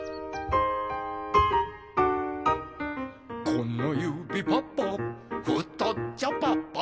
「このゆびパパふとっちょパパ」